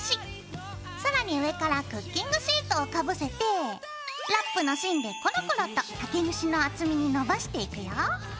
更に上からクッキングシートをかぶせてラップの芯でコロコロと竹串の厚みにのばしていくよ。